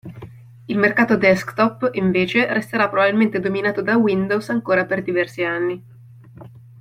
Il mercato desktop invece resterà probabilmente dominato da Windows ancora per diversi anni.